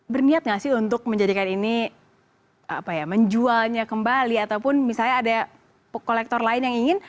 berniat nggak sih untuk menjadikan ini apa ya menjualnya kembali ataupun misalnya ada kolektor lain yang ingin